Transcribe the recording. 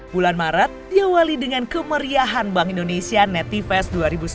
bulan maret diawali dengan kemeriahan bank indonesia netivest dua ribu sembilan belas